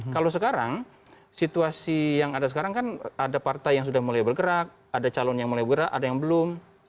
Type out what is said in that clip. kalau sekarang situasi yang ada sekarang kan ada partai yang sudah mulai bergerak ada calon yang mulai bergerak ada yang belum